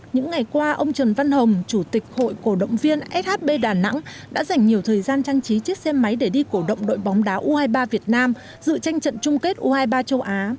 những ngày qua ông trần văn hồng chủ tịch hội cổ động viên shb đà nẵng đã dành nhiều thời gian trang trí chiếc xe máy để đi cổ động đội bóng đá u hai mươi ba việt nam dự tranh trận chung kết u hai mươi ba châu á